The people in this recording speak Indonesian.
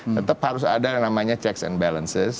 tetap harus ada yang namanya checks and balances